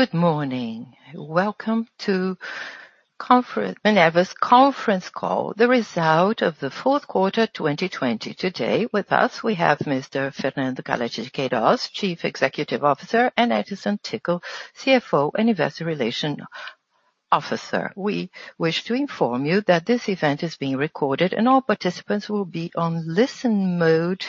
Good morning. Welcome to Minerva's conference call, the result of the fourth quarter 2020. Today with us, we have Mr. Fernando Galletti de Queiroz, Chief Executive Officer, and Edison Ticle, CFO and Investor Relation Officer. We wish to inform you that this event is being recorded and all participants will be on listen mode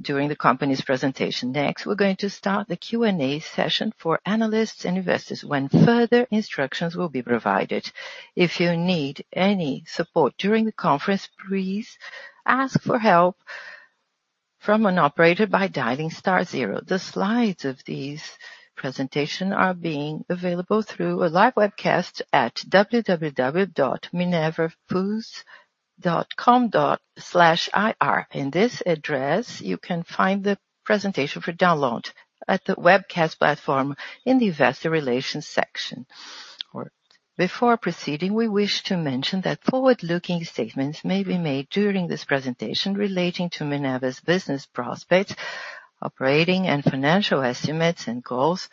during the company's presentation. We're going to start the Q&A session for analysts and investors when further instructions will be provided. If you need any support during the conference, please ask for help from an operator by dialing star zero. The slides of this presentation are being available through a live webcast at www.minervafoods.com/ir. In this address, you can find the presentation for download at the webcast platform in the investor relations section. Before proceeding, we wish to mention that forward-looking statements may be made during this presentation relating to Minerva's business prospects, operating and financial estimates, and goals.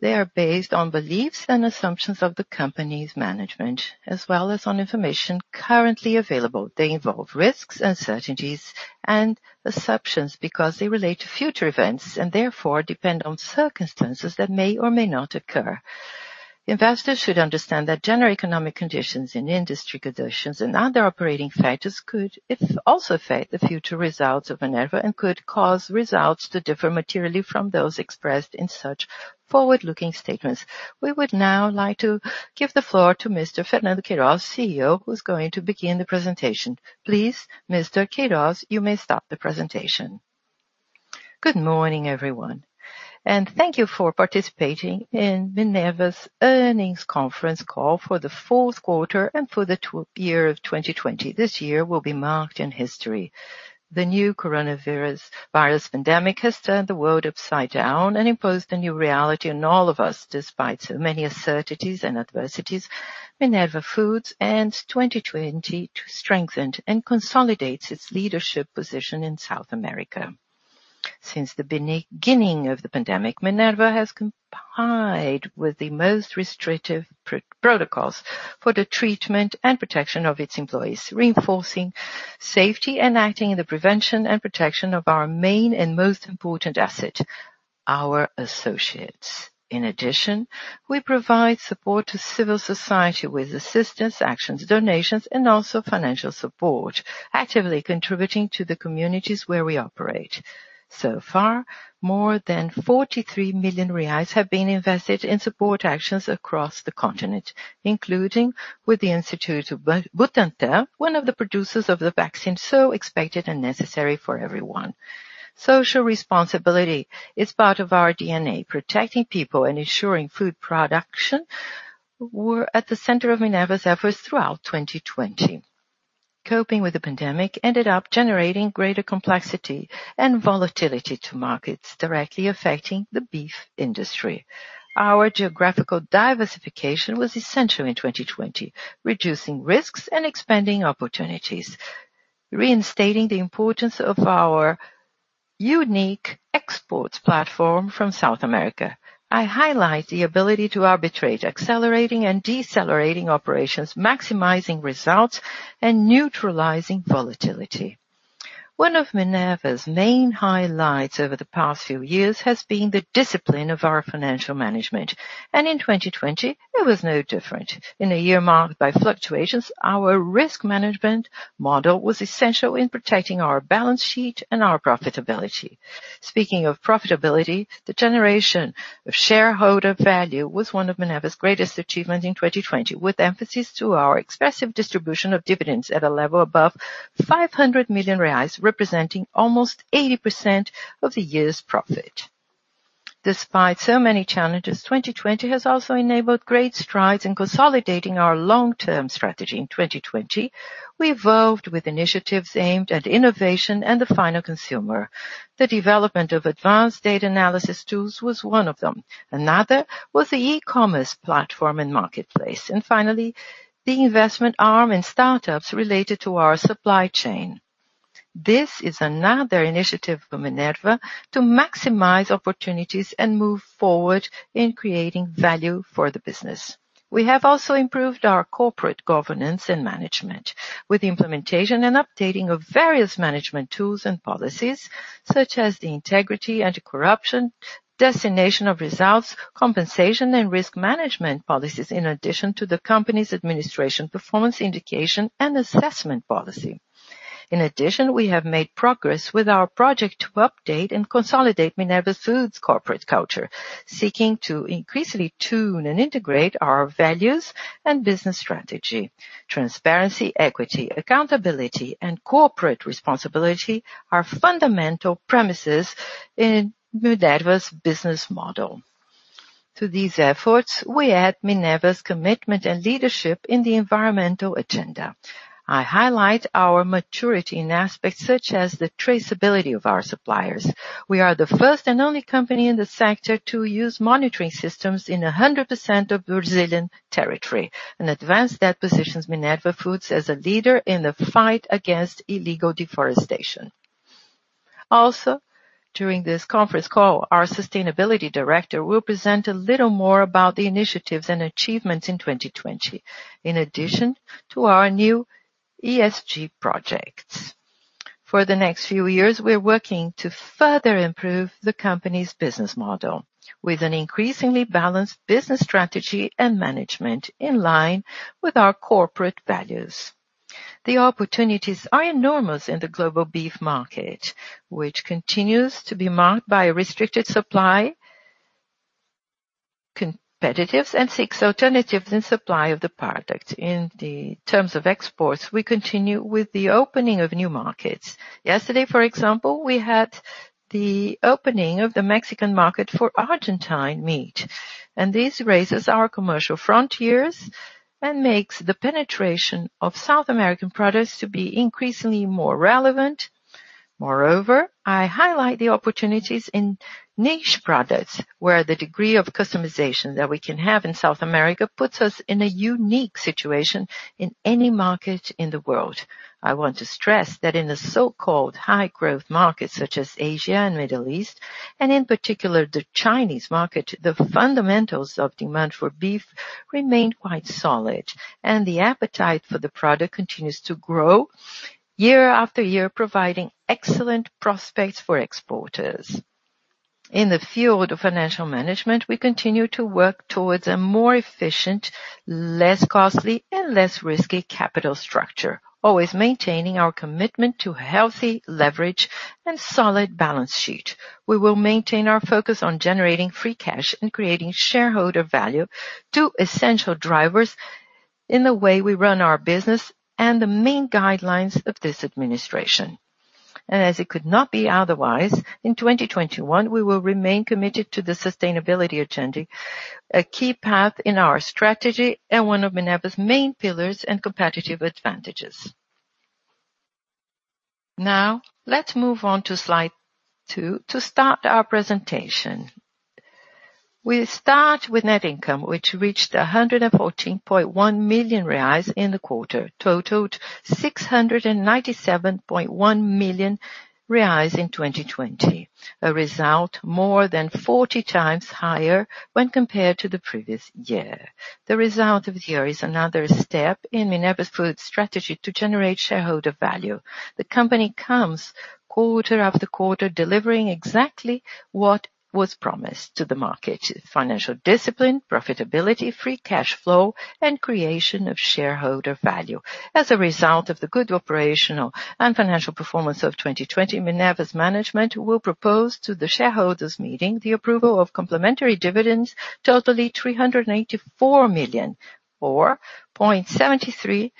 They are based on beliefs and assumptions of the company's management as well as on information currently available. They involve risks, uncertainties, and assumptions because they relate to future events and therefore depend on circumstances that may or may not occur. Investors should understand that general economic conditions and industry conditions and other operating factors could also affect the future results of Minerva and could cause results to differ materially from those expressed in such forward-looking statements. We would now like to give the floor to Mr. Fernando Queiroz, CEO, who's going to begin the presentation. Please, Mr. Queiroz, you may start the presentation. Good morning, everyone, and thank you for participating in Minerva's earnings conference call for the fourth quarter and for the year of 2020. This year will be marked in history. The new Coronavirus pandemic has turned the world upside down and imposed a new reality on all of us. Despite so many uncertainties and adversities, Minerva Foods ends 2020 strengthened and consolidates its leadership position in South America. Since the beginning of the pandemic, Minerva has complied with the most restrictive protocols for the treatment and protection of its employees, reinforcing safety and acting in the prevention and protection of our main and most important asset, our associates. In addition, we provide support to civil society with assistance, actions, donations, and also financial support, actively contributing to the communities where we operate. Far, more than 43 million reais have been invested in support actions across the continent, including with the Instituto Butantan, one of the producers of the vaccine so expected and necessary for everyone. Social responsibility is part of our DNA. Protecting people and ensuring food production were at the center of Minerva's efforts throughout 2020. Coping with the pandemic ended up generating greater complexity and volatility to markets directly affecting the beef industry. Our geographical diversification was essential in 2020, reducing risks and expanding opportunities, reinstating the importance of our unique exports platform from South America. I highlight the ability to arbitrate, accelerating and decelerating operations, maximizing results, and neutralizing volatility. One of Minerva's main highlights over the past few years has been the discipline of our financial management, and in 2020, it was no different. In a year marked by fluctuations, our risk management model was essential in protecting our balance sheet and our profitability. Speaking of profitability, the generation of shareholder value was one of Minerva's greatest achievements in 2020, with emphasis to our expressive distribution of dividends at a level above 500 million reais, representing almost 80% of the year's profit. Despite so many challenges, 2020 has also enabled great strides in consolidating our long-term strategy. In 2020, we evolved with initiatives aimed at innovation and the final consumer. The development of advanced data analysis tools was one of them. Another was the e-commerce platform and marketplace, and finally, the investment arm in startups related to our supply chain. This is another initiative for Minerva to maximize opportunities and move forward in creating value for the business. We have also improved our corporate governance and management with the implementation and updating of various management tools and policies such as the integrity, anti-corruption, destination of results, compensation, and risk management policies, in addition to the company's administration performance indication and assessment policy. In addition, we have made progress with our project to update and consolidate Minerva Foods' corporate culture, seeking to increasingly tune and integrate our values and business strategy. Transparency, equity, accountability, and corporate responsibility are fundamental premises in Minerva's business model. To these efforts, we add Minerva's commitment and leadership in the environmental agenda. I highlight our maturity in aspects such as the traceability of our suppliers. We are the first and only company in the sector to use monitoring systems in 100% of Brazilian territory. An advance that positions Minerva Foods as a leader in the fight against illegal deforestation. Also, during this conference call, our sustainability director will present a little more about the initiatives and achievements in 2020, in addition to our new ESG projects. For the next few years, we're working to further improve the company's business model with an increasingly balanced business strategy and management in line with our corporate values. The opportunities are enormous in the global beef market, which continues to be marked by restricted supply, competitors, and seeks alternatives in supply of the product. In the terms of exports, we continue with the opening of new markets. Yesterday, for example, we had the opening of the Mexican market for Argentine meat, and this raises our commercial frontiers and makes the penetration of South American products to be increasingly more relevant. Moreover, I highlight the opportunities in niche products where the degree of customization that we can have in South America puts us in a unique situation in any market in the world. I want to stress that in the so-called high-growth markets such as Asia and Middle East, and in particular the Chinese market, the fundamentals of demand for beef remain quite solid, and the appetite for the product continues to grow year-after-year, providing excellent prospects for exporters. In the field of financial management, we continue to work towards a more efficient, less costly and less risky capital structure, always maintaining our commitment to healthy leverage and solid balance sheet. We will maintain our focus on generating free cash and creating shareholder value, two essential drivers in the way we run our business and the main guidelines of this administration. As it could not be otherwise, in 2021, we will remain committed to the sustainability agenda, a key path in our strategy and one of Minerva's main pillars and competitive advantages. Let's move on to slide two to start our presentation. We start with net income, which reached 114.1 million reais in the quarter, totaled 697.1 million reais in 2020. A result more than 40 times higher when compared to the previous year. The result of the year is another step in Minerva Foods' strategy to generate shareholder value. The company comes quarter after quarter, delivering exactly what was promised to the market. Financial discipline, profitability, free cash flow, and creation of shareholder value. As a result of the good operational and financial performance of 2020, Minerva's management will propose to the shareholders meeting the approval of complementary dividends totaling 384 million, or 0.73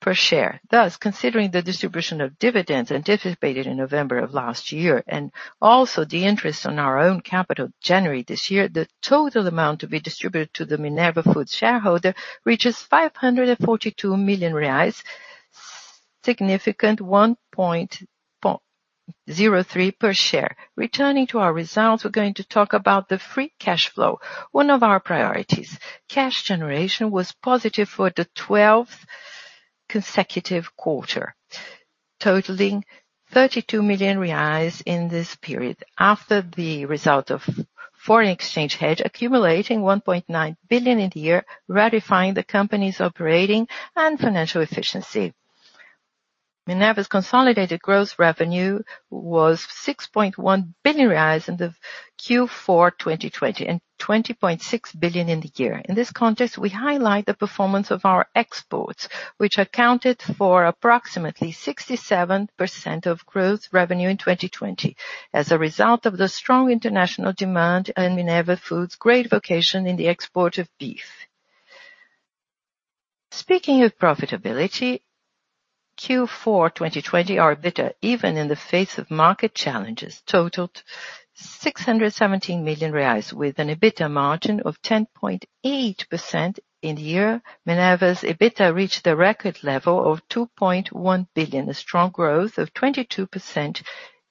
per share. Thus, considering the distribution of dividends anticipated in November of last year, and also the interest on our own capital January this year, the total amount to be distributed to the Minerva Foods shareholder reaches 542 million reais, significant 1.03 per share. Returning to our results, we're going to talk about the free cash flow, one of our priorities. Cash generation was positive for the 12th consecutive quarter, totaling 32 million reais in this period after the result of foreign exchange hedge accumulating 1.9 billion in the year, ratifying the company's operating and financial efficiency. Minerva's consolidated gross revenue was 6.1 billion reais in the Q4 2020 and 20.6 billion in the year. In this context, we highlight the performance of our exports, which accounted for approximately 67% of gross revenue in 2020 as a result of the strong international demand and Minerva Foods' great vocation in the export of beef. Speaking of profitability, Q4 2020, our EBITDA, even in the face of market challenges, totaled 617 million reais with an EBITDA margin of 10.8% in the year. Minerva's EBITDA reached a record level of 2.1 billion, a strong growth of 22%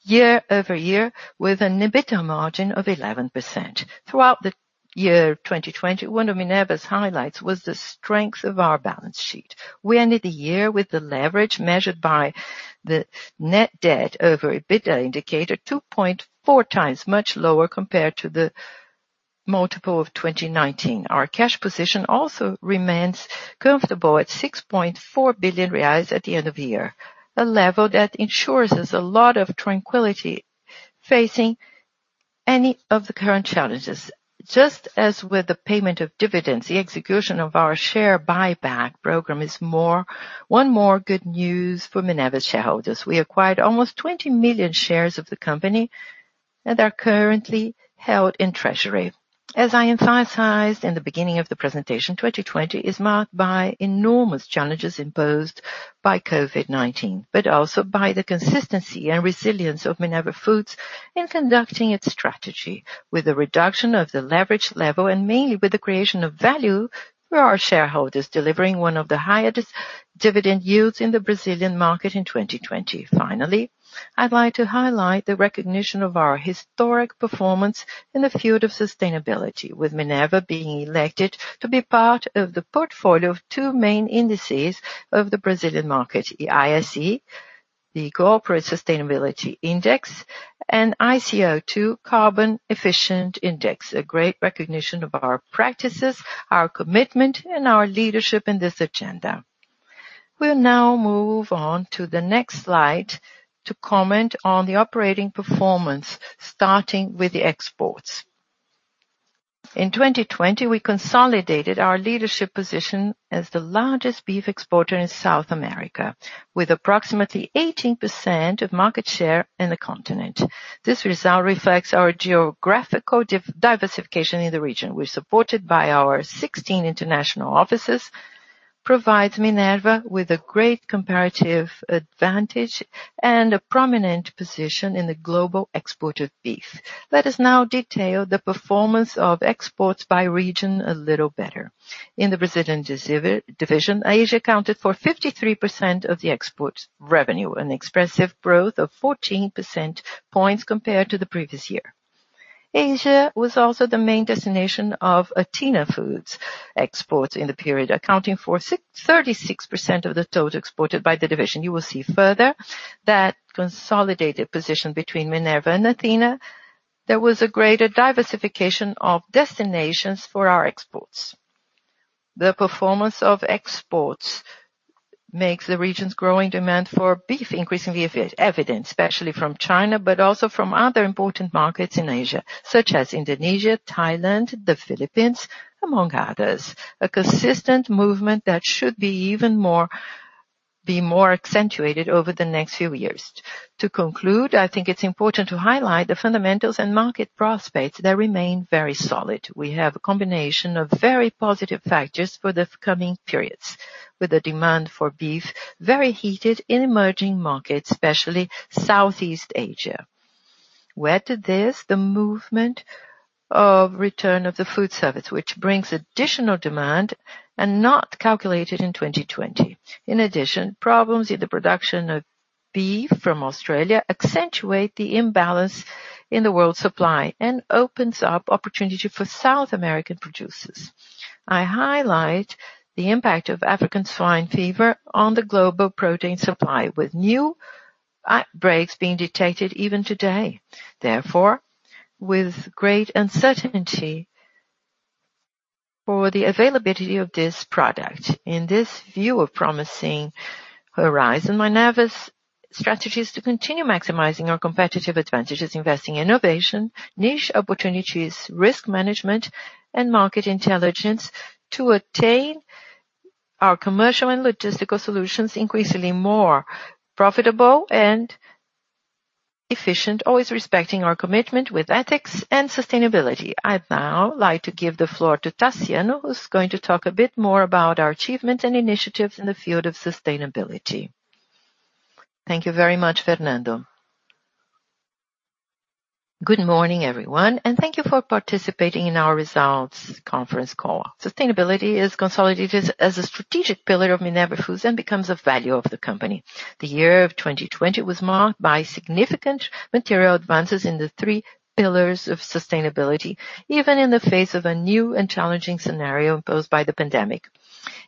year-over-year with an EBITDA margin of 11%. Throughout the year 2020, one of Minerva's highlights was the strength of our balance sheet. We ended the year with the leverage measured by the net debt over EBITDA indicator, 2.4x, much lower compared to the multiple of 2019. Our cash position also remains comfortable at 6.4 billion reais at the end of the year, a level that ensures us a lot of tranquility facing any of the current challenges. Just as with the payment of dividends, the execution of our share buyback program is one more good news for Minerva shareholders. We acquired almost 20 million shares of the company and are currently held in treasury. As I emphasized in the beginning of the presentation, 2020 is marked by enormous challenges imposed by COVID-19, but also by the consistency and resilience of Minerva Foods in conducting its strategy with a reduction of the leverage level and mainly with the creation of value for our shareholders, delivering one of the highest dividend yields in the Brazilian market in 2020. Finally, I'd like to highlight the recognition of our historic performance in the field of sustainability, with Minerva being elected to be part of the portfolio of two main indices of the Brazilian market, the ISE, the Corporate Sustainability Index, and ICO2, Carbon Efficient Index, a great recognition of our practices, our commitment, and our leadership in this agenda. We'll now move on to the next slide to comment on the operating performance, starting with the exports. In 2020, we consolidated our leadership position as the largest beef exporter in South America, with approximately 18% of market share in the continent. This result reflects our geographical diversification in the region. We're supported by our 16 international offices, provides Minerva with a great comparative advantage and a prominent position in the global export of beef. Let us now detail the performance of exports by region a little better. In the Brazilian division, Asia accounted for 53% of the export revenue, an expressive growth of 14% points compared to the previous year. Asia was also the main destination of Athena Foods exports in the period, accounting for 36% of the total exported by the division. You will see further that consolidated position between Minerva and Athena, there was a greater diversification of destinations for our exports. The performance of exports makes the region's growing demand for beef increasingly evident, especially from China, but also from other important markets in Asia, such as Indonesia, Thailand, the Philippines, among others. A consistent movement that should be more accentuated over the next few years. To conclude, I think it's important to highlight the fundamentals and market prospects that remain very solid. We have a combination of very positive factors for the coming periods, with the demand for beef very heated in emerging markets, especially Southeast Asia. Where to this, the movement of return of the food service, which brings additional demand and not calculated in 2020. In addition, problems in the production of beef from Australia accentuate the imbalance in the world supply and opens up opportunity for South American producers. I highlight the impact of African swine fever on the global protein supply, with new outbreaks being detected even today, therefore, with great uncertainty for the availability of this product. In this view of promising horizon, Minerva's strategy is to continue maximizing our competitive advantages, investing in innovation, niche opportunities, risk management, and market intelligence to attain our commercial and logistical solutions increasingly more profitable and efficient, always respecting our commitment with ethics and sustainability. I'd now like to give the floor to Taciano, who's going to talk a bit more about our achievements and initiatives in the field of sustainability. Thank you very much, Fernando. Good morning, everyone, and thank you for participating in our results conference call. Sustainability is consolidated as a strategic pillar of Minerva Foods and becomes a value of the company. The year of 2020 was marked by significant material advances in the three pillars of sustainability, even in the face of a new and challenging scenario imposed by the pandemic.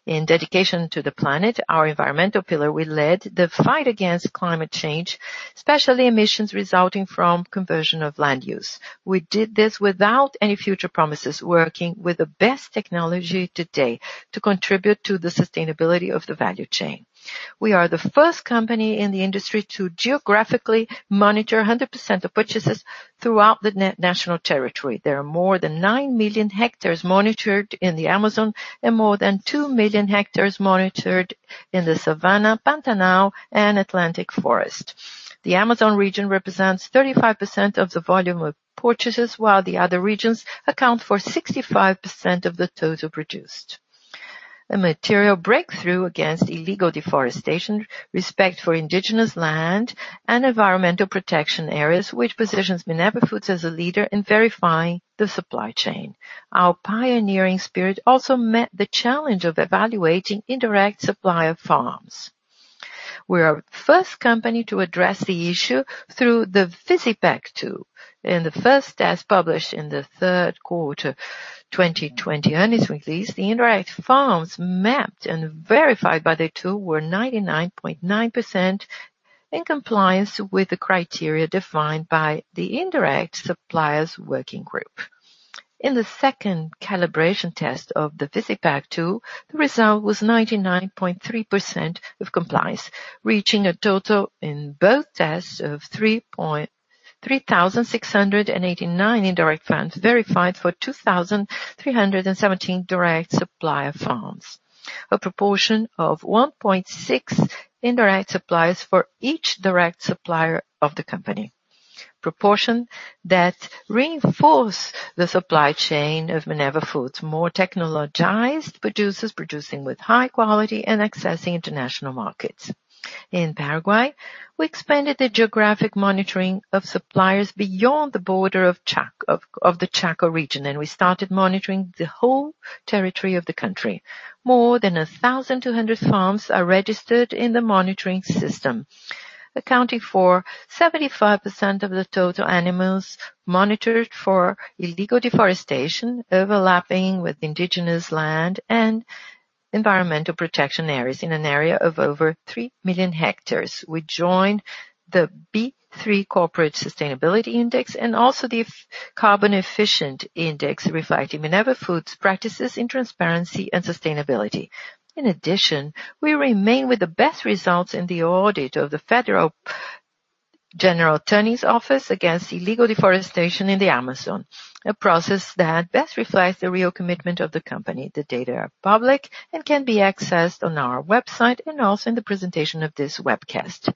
In dedication to the planet, our environmental pillar, we led the fight against climate change, especially emissions resulting from conversion of land use. We did this without any future promises, working with the best technology today to contribute to the sustainability of the value chain. We are the first company in the industry to geographically monitor 100% of purchases throughout the national territory. There are more than 9 million hectares monitored in the Amazon and more than 2 million hectares monitored in the Cerrado, Pantanal, and Atlantic Forest. The Amazon region represents 35% of the volume of purchases, while the other regions account for 65% of the total produced. A material breakthrough against illegal deforestation, respect for indigenous land, and environmental protection areas, which positions Minerva Foods as a leader in verifying the supply chain. Our pioneering spirit also met the challenge of evaluating indirect supplier farms. We are the first company to address the issue through the Visipec tool. In the first test published in the third quarter 2020 earnings release, the indirect farms mapped and verified by the tool were 99.9% in compliance with the criteria defined by the Indirect Suppliers Working Group. In the second calibration test of the FISIPAG tool, the result was 99.3% of compliance, reaching a total in both tests of 3,689 indirect farms verified for 2,317 direct supplier farms. A proportion of 1.6 indirect suppliers for each direct supplier of the company. Proportion that reinforce the supply chain of Minerva Foods, more technologized producers producing with high quality and accessing international markets. In Paraguay, we expanded the geographic monitoring of suppliers beyond the border of the Chaco region, and we started monitoring the whole territory of the country. More than 1,200 farms are registered in the monitoring system, accounting for 75% of the total animals monitored for illegal deforestation, overlapping with indigenous land and environmental protection areas in an area of over 3 million hectares. We join the B3 Corporate Sustainability Index and also the Carbon Efficient Index, reflecting Minerva Foods practices in transparency and sustainability. In addition, we remain with the best results in the audit of the Federal General Attorney's Office against illegal deforestation in the Amazon, a process that best reflects the real commitment of the company. The data are public and can be accessed on our website and also in the presentation of this webcast.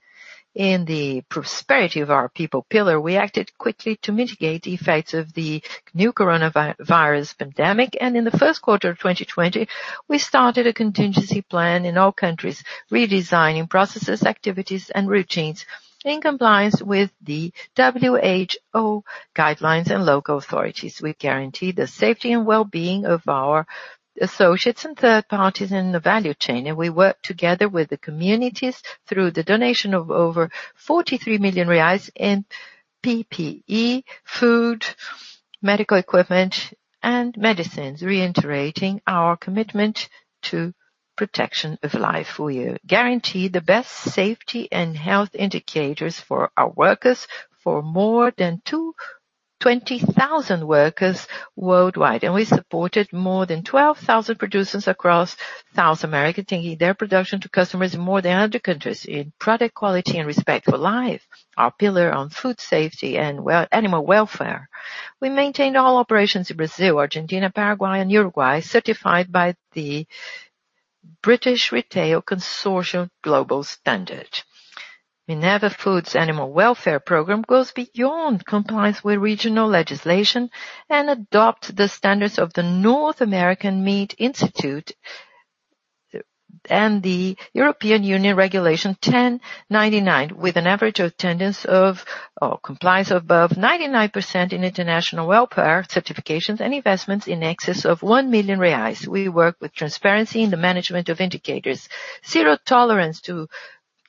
In the prosperity of our people pillar, we acted quickly to mitigate the effects of the new Coronavirus pandemic. In the first quarter of 2020, we started a contingency plan in all countries, redesigning processes, activities, and routines in compliance with the WHO guidelines and local authorities. We guarantee the safety and well-being of our associates and third parties in the value chain, we work together with the communities through the donation of over 43 million reais in PPE, food, medical equipment, and medicines, reiterating our commitment to protection of life. We guarantee the best safety and health indicators for our workers for more than 220,000 workers worldwide. We supported more than 12,000 producers across South America, taking their production to customers in more than 100 countries. In product quality and respect for life, our pillar on food safety and animal welfare, we maintained all operations in Brazil, Argentina, Paraguay, and Uruguay, certified by the British Retail Consortium Global Standard. Minerva Foods Animal Welfare Program goes beyond compliance with regional legislation and adopt the standards of the North American Meat Institute and the European Union Regulation 1099, with an average compliance above 99% in international welfare certifications and investments in excess of 1 million reais. We work with transparency in the management of indicators, zero tolerance to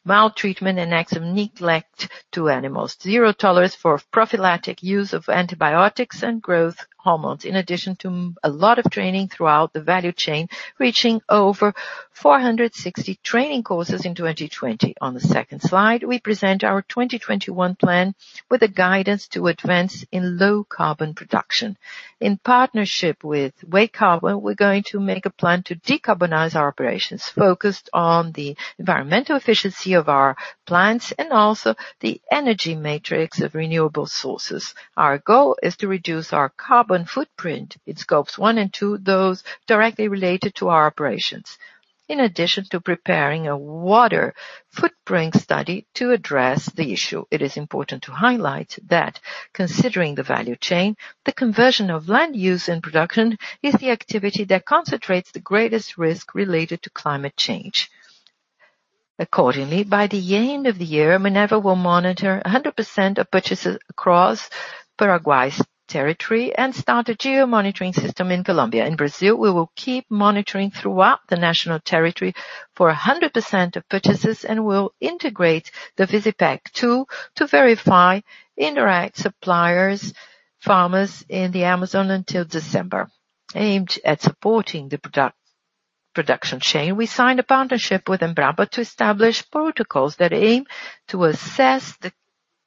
maltreatment and acts of neglect to animals. Zero tolerance for prophylactic use of antibiotics and growth hormones, in addition to a lot of training throughout the value chain, reaching over 460 training courses in 2020. On the second slide, we present our 2021 plan with a guidance to advance in low carbon production. In partnership with WayCarbon, we're going to make a plan to decarbonize our operations focused on the environmental efficiency of our plants and also the energy matrix of renewable sources. Our goal is to reduce our carbon footprint in scopes one and two, those directly related to our operations. In addition to preparing a water footprint study to address the issue, it is important to highlight that considering the value chain, the conversion of land use and production is the activity that concentrates the greatest risk related to climate change. Accordingly, by the end of the year, Minerva will monitor 100% of purchases across Paraguay's territory and start a geo-monitoring system in Colombia. In Brazil, we will keep monitoring throughout the national territory for 100% of purchases and will integrate the Visipec tool to verify indirect suppliers, farmers in the Amazon until December. Aimed at supporting the production chain, we signed a partnership with Embrapa to establish protocols that aim to assess the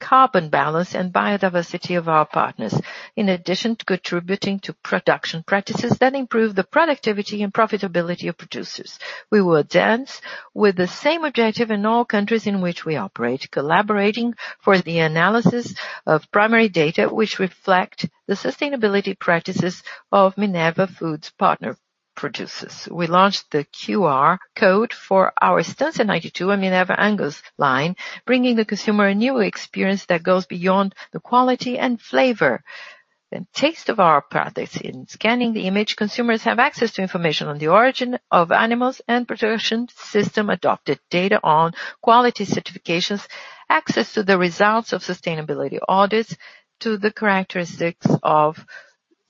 carbon balance and biodiversity of our partners. In addition to contributing to production practices that improve the productivity and profitability of producers. We will advance with the same objective in all countries in which we operate, collaborating for the analysis of primary data, which reflect the sustainability practices of Minerva Foods partner producers. We launched the QR code for our Estância 92 and Minerva Angus line, bringing the consumer a new experience that goes beyond the quality and flavor and taste of our products. In scanning the image, consumers have access to information on the origin of animals and production system adopted, data on quality certifications, access to the results of sustainability audits, to the characteristics of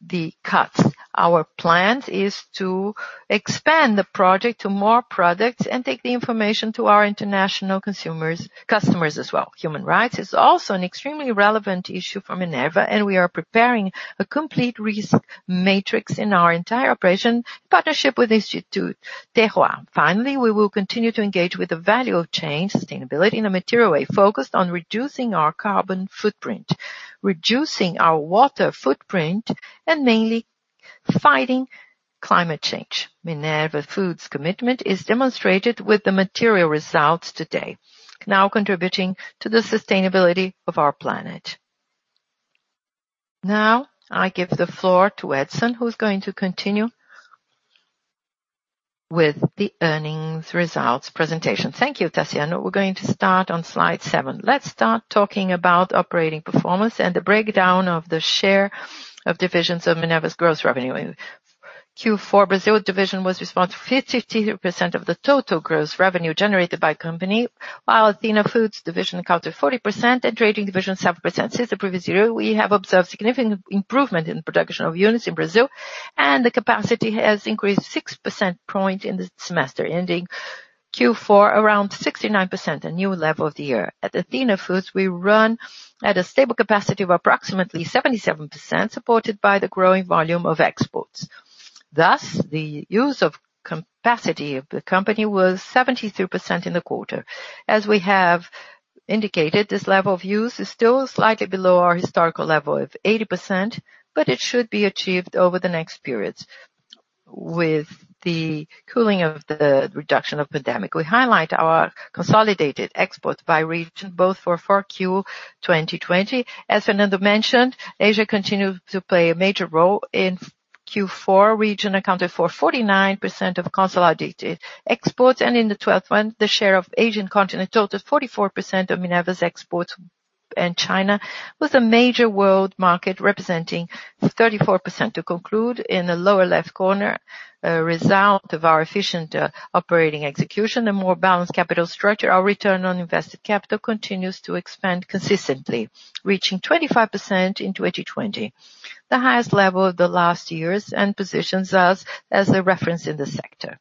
the cuts. Our plan is to expand the project to more products and take the information to our international customers as well. Human rights is also an extremely relevant issue for Minerva, we are preparing a complete risk matrix in our entire operation in partnership with Instituto Terra. Finally, we will continue to engage with the value of chain sustainability in a material way focused on reducing our carbon footprint, reducing our water footprint, and mainly fighting climate change. Minerva Foods' commitment is demonstrated with the material results today, now contributing to the sustainability of our planet. Now, I give the floor to Edison, who's going to continue with the earnings results presentation. Thank you, Taciano. We're going to start on slide seven. Let's start talking about operating performance and the breakdown of the share of divisions of Minerva's gross revenue. In Q4, Brazil division was responsible for 53% of the total gross revenue generated by company, while Athena Foods division accounted 40%, and trading division 7%. Since the previous year, we have observed significant improvement in production of units in Brazil. The capacity has increased 6% point in the semester ending Q4 around 69%, a new level of the year. At Athena Foods, we run at a stable capacity of approximately 77%, supported by the growing volume of exports. The use of capacity of the company was 73% in the quarter. As we have indicated, this level of use is still slightly below our historical level of 80%, it should be achieved over the next periods with the cooling of the reduction of pandemic. We highlight our consolidated exports by region, both for Q4 2020. As Fernando mentioned, Asia continued to play a major role in Q4. Region accounted for 49% of consolidated exports. In the 12th month, the share of Asian continent totaled 44% of Minerva's exports. China was a major world market, representing 34%. To conclude, in the lower-left corner, a result of our efficient operating execution and more balanced capital structure, our return on invested capital continues to expand consistently, reaching 25% in 2020, the highest level of the last years and positions us as a reference in the sector.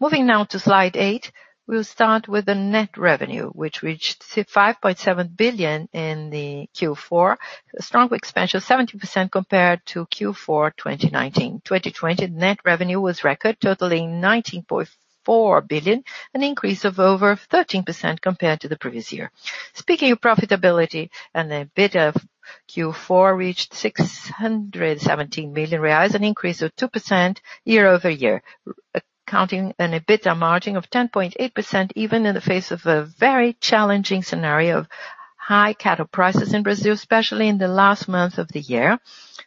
Moving now to slide eight, we'll start with the net revenue, which reached 5.7 billion in the Q4. A strong expansion of 17% compared to Q4 2019. 2020 net revenue was record, totaling 19.4 billion, an increase of over 13% compared to the previous year. Speaking of profitability and the EBITDA Q4 reached 617 million reais, an increase of 2% year-over-year, accounting an EBITDA margin of 10.8%, even in the face of a very challenging scenario of high cattle prices in Brazil, especially in the last month of the year.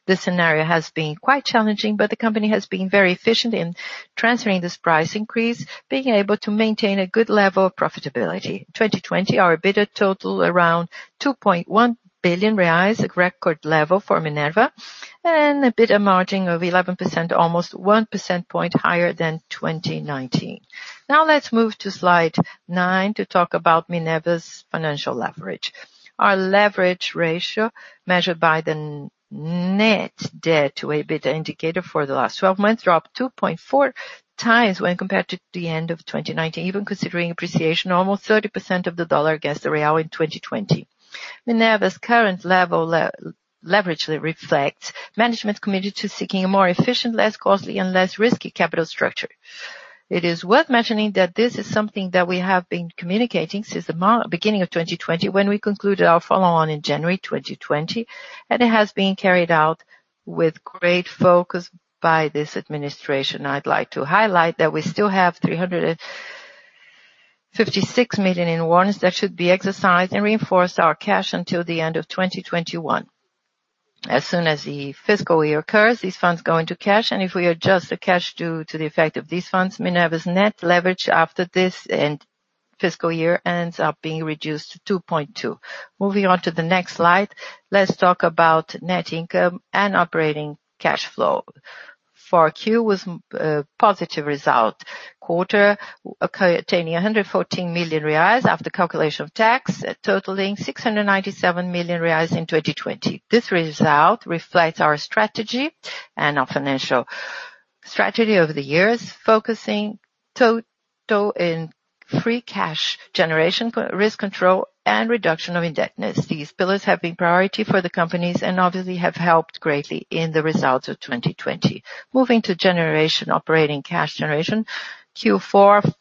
This scenario has been quite challenging, but the company has been very efficient in transferring this price increase, being able to maintain a good level of profitability. 2020, our EBITDA total around 2.1 billion reais, a record level for Minerva, and EBITDA margin of 11%, almost one percentage point higher than 2019. Now let's move to slide nine to talk about Minerva's financial leverage. Our leverage ratio, measured by the net debt to EBITDA indicator for the last 12 months, dropped 2.4x when compared to the end of 2019. Even considering appreciation of almost 30% of the dollar against the Real in 2020. Minerva's current leverage reflects management's committed to seeking a more efficient, less costly and less risky capital structure. It is worth mentioning that this is something that we have been communicating since the beginning of 2020, when we concluded our follow-on in January 2020, it has been carried out with great focus by this administration. I'd like to highlight that we still have $356 million in warrants that should be exercised and reinforce our cash until the end of 2021. As soon as the fiscal year occurs, these funds go into cash, and if we adjust the cash due to the effect of these funds, Minerva's net leverage after this fiscal year ends up being reduced to 2.2. Moving on to the next slide, let's talk about net income and operating cash flow. 4Q was a positive result quarter, attaining 114 million reais after calculation of tax totaling 697 million reais in 2020. This result reflects our strategy and our financial strategy over the years, focusing total in free cash generation, risk control and reduction of indebtedness. These pillars have been priority for the companies and obviously have helped greatly in the results of 2020. Moving to operating cash generation. Q4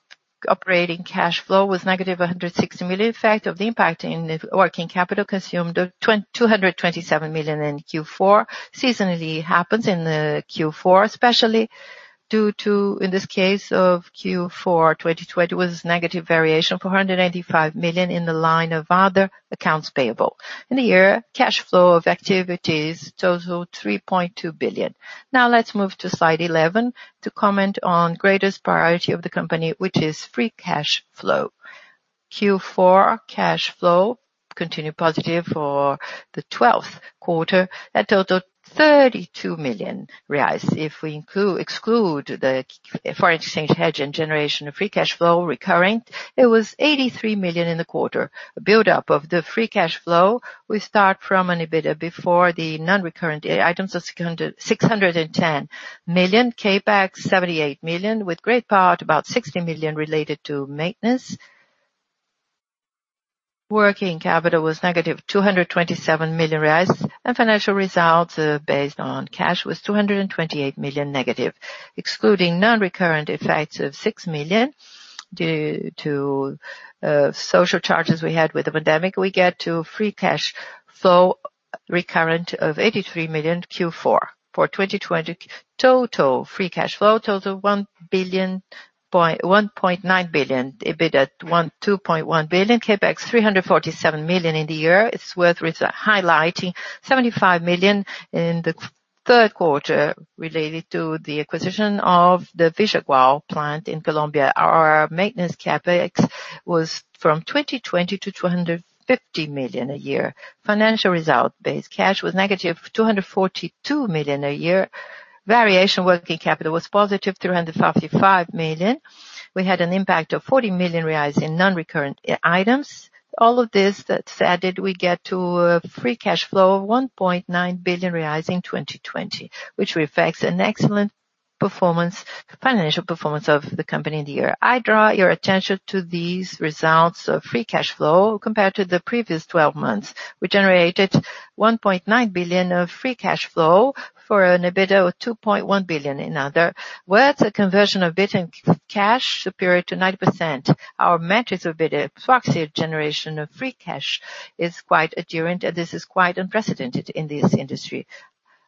operating cash flow was negative 106 million effect of the impact in working capital consumed 227 million in Q4. Seasonally happens in the Q4, especially due to, in this case of Q4 2020, was negative variation of 485 million in the line of other accounts payable. In the year, cash flow of activities total 3.2 billion. Let's move to slide 11 to comment on greatest priority of the company, which is free cash flow. Q4 cash flow continued positive for the 12th quarter at total 32 million reais. If we exclude the foreign exchange hedge and generation of free cash flow recurring, it was 83 million in the quarter. Build-up of the free cash flow, we start from an EBITDA before the non-recurrent items of 610 million, CapEx 78 million, with great part about 60 million related to maintenance. Working capital was -227 million reais. Financial results based on cash was 228 million-. Excluding non-recurrent effects of 6 million due to social charges we had with the pandemic, we get to free cash flow recurrent of 83 million Q4. For 2020 total, free cash flow total 1.9 billion, EBITDA 2.1 billion, CapEx 347 million in the year. It's worth highlighting 75 million in the third quarter related to the acquisition of the Frigorifico Vijagual plant in Colombia. Our maintenance CapEx was from 2020 to 250 million a year. Financial result, base cash was negative 242 million a year. Variation working capital was +355 million. We had an impact of 40 million reais in non-recurrent items. All of this that's added, we get to a free cash flow of 1.9 billion reais in 2020, which reflects an excellent financial performance of the company in the year. I draw your attention to these results of free cash flow compared to the previous 12 months. We generated 1.9 billion of free cash flow for an EBITDA of 2.1 billion. In other words, a conversion of EBITDA and cash superior to 90%. Our metrics of EBITDA proxy generation of free cash is quite enduring, and this is quite unprecedented in this industry.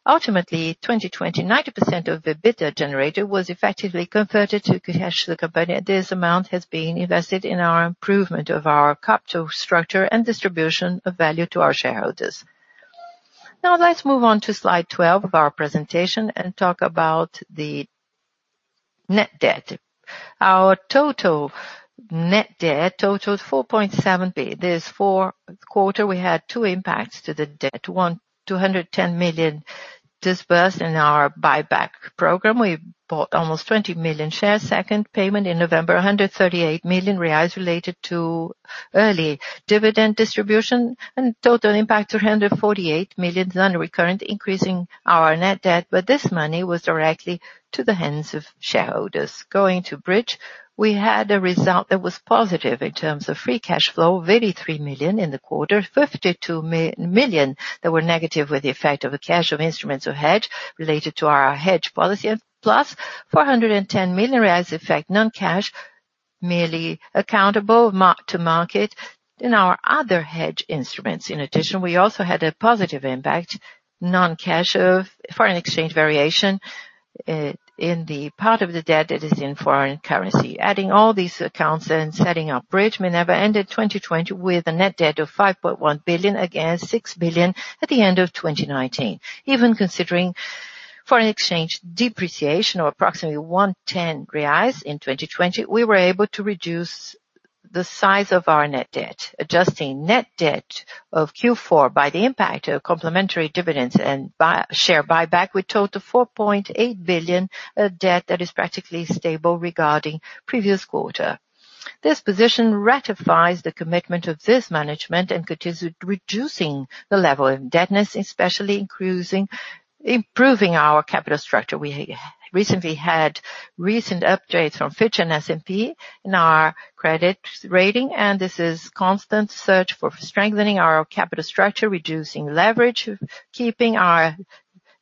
Ultimately, 2020, 90% of the EBITDA generated was effectively converted to cash to the company. This amount has been invested in our improvement of our capital structure and distribution of value to our shareholders. Let's move on to slide 12 of our presentation and talk about the net debt. Our total net debt totaled 4.7 billion. This fourth quarter, we had two impacts to the debt. One, 210 million disbursed in our buyback program. We bought almost 20 million shares. Second payment in November, 138 million reais related to early dividend distribution, and total impact 248 million non-recurrent, increasing our net debt. This money was directly to the hands of shareholders. Going to bridge, we had a result that was positive in terms of free cash flow, 83 million in the quarter, 52 million that were negative with the effect of a cash of instruments or hedge related to our hedge policy, +410 million reais effect non-cash, merely accountable to market in our other hedge instruments. In addition, we also had a positive impact, non-cash of foreign exchange variation in the part of the debt that is in foreign currency. Adding all these accounts and setting our bridge, Minerva ended 2020 with a net debt of 5.1 billion against 6 billion at the end of 2019. Even considering foreign exchange depreciation of approximately 110 reais in 2020, we were able to reduce the size of our net debt. Adjusting net debt of Q4 by the impact of complementary dividends and share buyback, we total 4.8 billion of debt that is practically stable regarding previous quarter. This position ratifies the commitment of this management and continues with reducing the level of indebtedness, especially improving our capital structure. We recently had updates from Fitch and S&P in our credit rating, and this constant search for strengthening our capital structure, reducing leverage, keeping our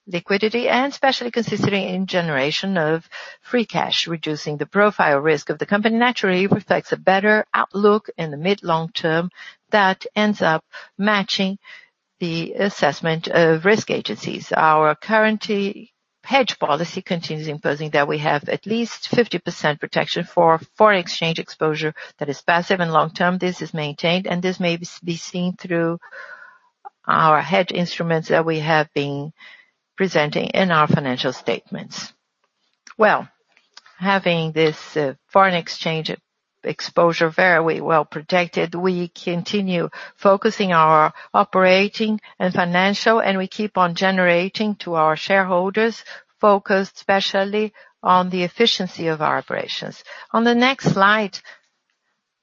liquidity, and especially considering in generation of free cash, reducing the profile risk of the company naturally reflects a better outlook in the mid-long term that ends up matching the assessment of risk agencies. Our current hedge policy continues imposing that we have at least 50% protection for foreign exchange exposure that is passive and long-term. This is maintained. This may be seen through our hedge instruments that we have been presenting in our financial statements. Well, having this foreign exchange exposure very well protected, we continue focusing our operating and financial, and we keep on generating to our shareholders, focused especially on the efficiency of our operations. On the next slide,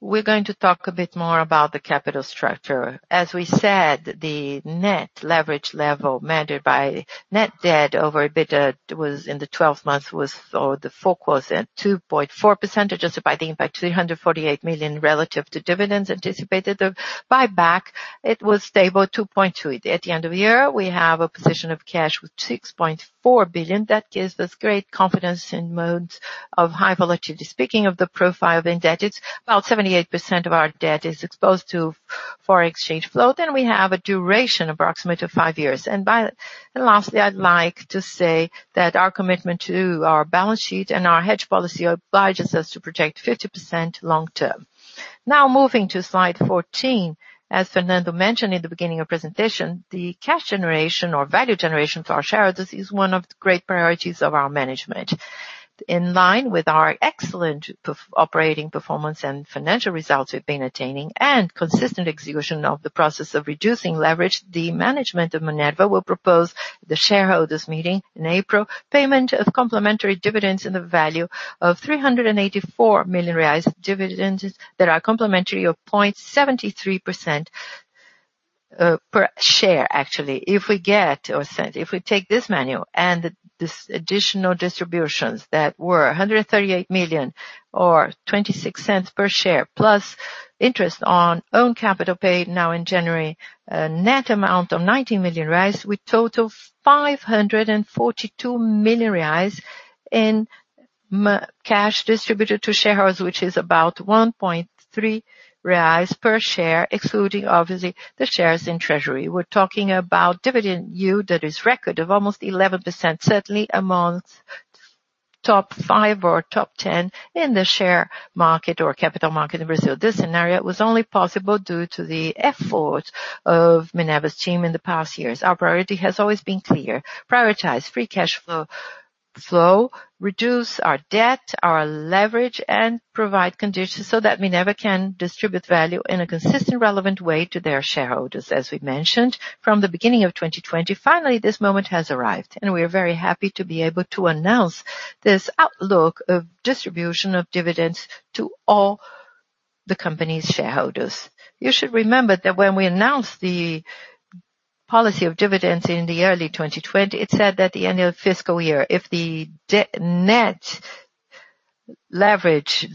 we're going to talk a bit more about the capital structure. As we said, the net leverage level measured by net debt over EBITDA in the 12 months was for the full quarter, 2.4% adjusted by the impact 348 million relative to dividends anticipated. The buyback, it was stable 2.2. At the end of the year, we have a position of cash with 6.4 billion. That gives us great confidence in modes of high volatility. Speaking of the profile of indebted, about 78% of our debt is exposed to foreign exchange flow. We have a duration approximately of five years. Lastly, I'd like to say that our commitment to our balance sheet and our hedge policy obliges us to protect 50% long term. Moving to slide 14, as Fernando mentioned in the beginning of presentation, the cash generation or value generation for our shareholders is one of the great priorities of our management. In line with our excellent operating performance and financial results we've been attaining and consistent execution of the process of reducing leverage, the management of Minerva will propose the shareholders meeting in April, payment of complementary dividends in the value of 384 million reais. Dividends that are complementary of 0.73% per share, actually. If we take this annual and this additional distributions that were 138 million or 0.26 per share, plus interest on own capital paid now in January, a net amount of 90 million reais, we total 542 million reais in cash distributed to shareholders, which is about 1.3 reais per share, excluding obviously the shares in treasury. We're talking about dividend yield that is record of almost 11%, certainly amongst top five or top 10 in the share market or capital market in Brazil. This scenario was only possible due to the effort of Minerva's team in the past years. Our priority has always been clear. Prioritize free cash flow, reduce our debt, our leverage, and provide conditions so that Minerva can distribute value in a consistent relevant way to their shareholders, as we mentioned from the beginning of 2020. Finally, this moment has arrived, and we are very happy to be able to announce this outlook of distribution of dividends to all the company's shareholders. You should remember that when we announced the policy of dividends in the early 2020. It said that the end of fiscal year, if the net leverage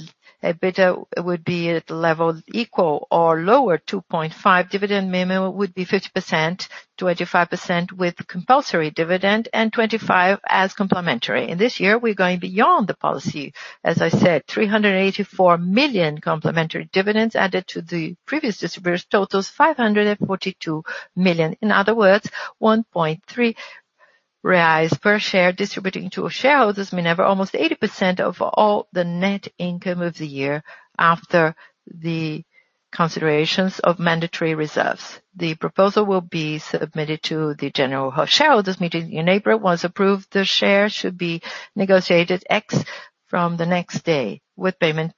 EBITDA would be at the level equal or lower, 2.5 dividend minimum would be 50%, 25% with compulsory dividend and 25 as complementary. In this year, we're going beyond the policy, as I said, 384 million complementary dividends added to the previous disbursed totals, 542 million. In other words, 1.3 per share distributing to our shareholders, Minerva, almost 80% of all the net income of the year after the considerations of mandatory reserves. The proposal will be submitted to the general shareholders meeting in April. Once approved, the share should be negotiated ex from the next day with payment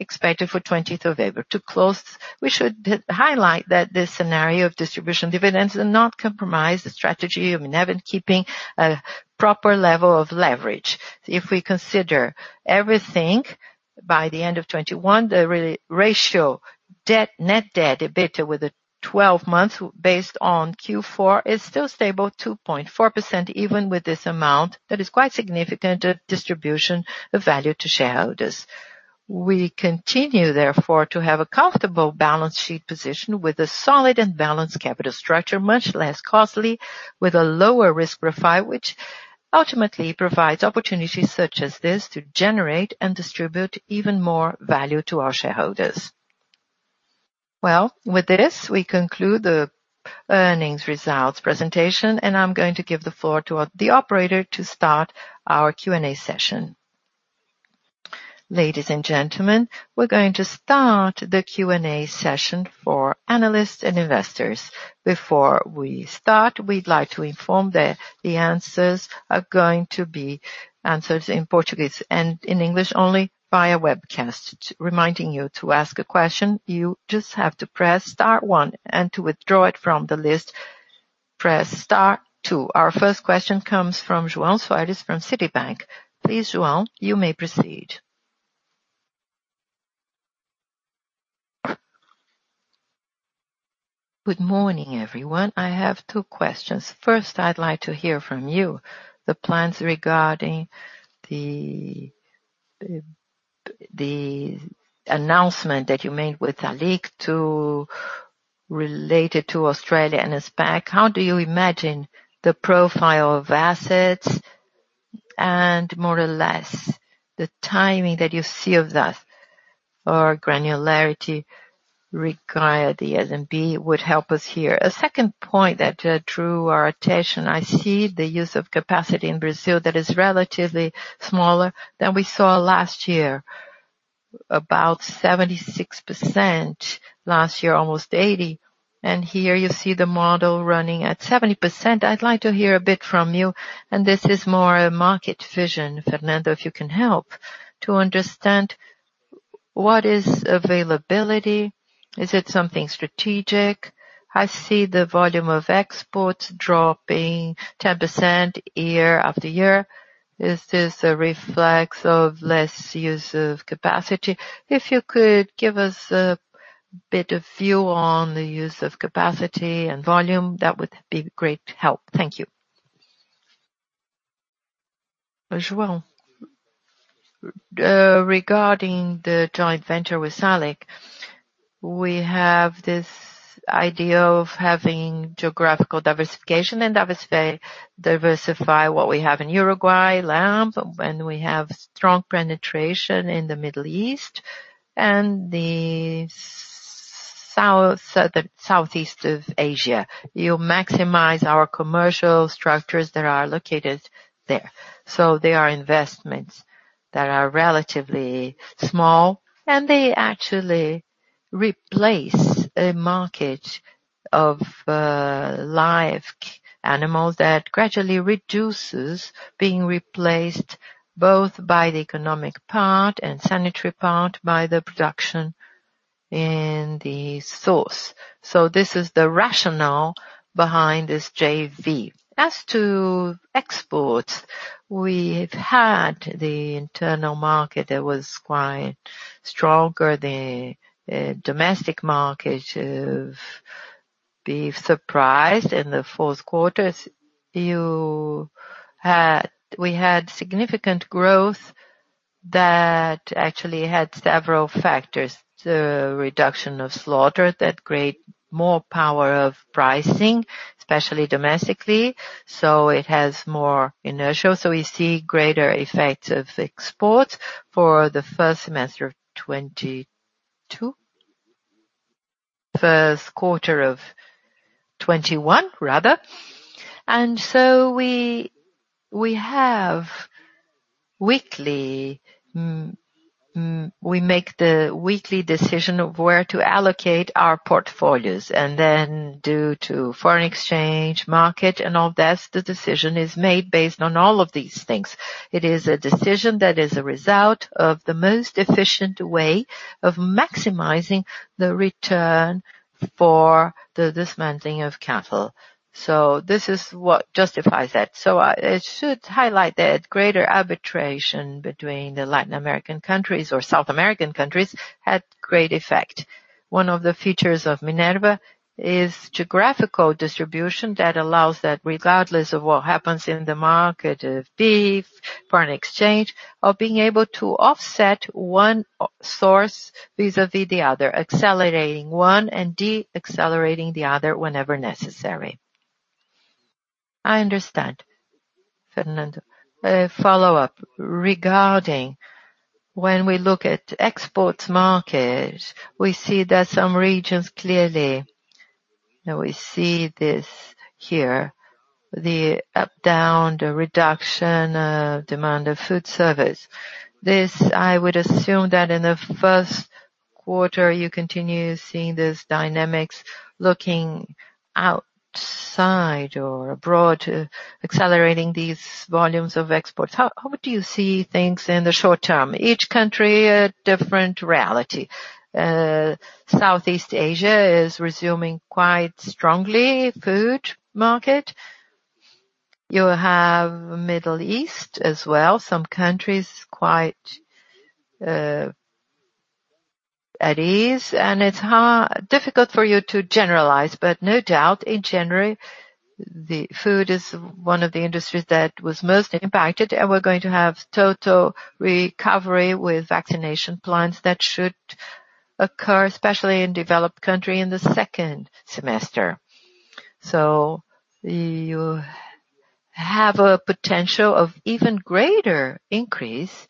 expected for 20th of April. To close, we should highlight that this scenario of distribution dividends did not compromise the strategy of Minerva keeping a proper level of leverage. If we consider everything by the end of 2021, the ratio net debt EBITDA with a 12 months based on Q4 is still stable, 2.4%, even with this amount that is quite significant of distribution of value to shareholders. We continue, therefore, to have a comfortable balance sheet position with a solid and balanced capital structure, much less costly, with a lower risk profile, which ultimately provides opportunities such as this to generate and distribute even more value to our shareholders. Well, with this, we conclude the earnings results presentation, and I'm going to give the floor to the operator to start our Q&A session. Ladies and gentlemen, we're going to start the Q&A session for analysts and investors. Before we start, we'd like to inform that the answers are going to be answered in Portuguese and in English only via webcast. Reminding you, to ask a question, you just have to press star one, and to withdraw it from the list, press star two. Our first question comes from João Soares from Citibank. Please, João, you may proceed. Good morning, everyone. I have two questions. First, I'd like to hear from you the plans regarding the announcement that you made with Aleag related to Australia and the SPAC. How do you imagine the profile of assets and more or less the timing that you see of that or granularity required, the S&P would help us here. A second point that drew our attention, I see the use of capacity in Brazil that is relatively smaller than we saw last year. About 76% last year, almost 80%. Here you see the model running at 70%. I'd like to hear a bit from you, and this is more a market vision, Fernando, if you can help to understand what is availability. Is it something strategic? I see the volume of exports dropping 10% year-after-year. Is this a reflex of less use of capacity? If you could give us a bit of view on the use of capacity and volume, that would be great help. Thank you. João. Regarding the joint venture with Aleag, we have this idea of having geographical diversification and diversify what we have in Uruguay lamb, and we have strong penetration in the Middle East and Southeast Asia. You maximize our commercial structures that are located there. They are investments that are relatively small, and they actually replace a market of live animals that gradually reduces being replaced both by the economic part and sanitary part by the production in the source. This is the rationale behind this JV. As to exports, we've had the internal market that was quite stronger. The domestic market is surprised in the fourth quarter. We had significant growth that actually had several factors. The reduction of slaughter, that create more power of pricing, especially domestically. It has more inertia. We see greater effect of exports for the first semester of 2022. First quarter of 2021 rather. We make the weekly decision of where to allocate our portfolios, and then due to foreign exchange market and all that, the decision is made based on all of these things. It is a decision that is a result of the most efficient way of maximizing the return for the dismantling of cattle. This is what justifies that. It should highlight that greater arbitration between the Latin American countries or South American countries had great effect. One of the features of Minerva is geographical distribution that allows that regardless of what happens in the market, beef, foreign exchange, of being able to offset one source vis-à-vis the other, accelerating one and deaccelerating the other whenever necessary. I understand, Fernando. A follow-up. Regarding when we look at exports market, we see that some regions clearly, we see this here, the up, down, the reduction of demand of food service. This, I would assume that in the first quarter, you continue seeing this dynamics looking outside or abroad, accelerating these volumes of exports. How do you see things in the short term? Each country, a different reality. Southeast Asia is resuming quite strongly food market. You have Middle East as well, some countries quite at ease, and it is difficult for you to generalize. No doubt, in January, the food is one of the industries that was most impacted, and we are going to have total recovery with vaccination plans that should occur, especially in developed country in the second semester. You have a potential of even greater increase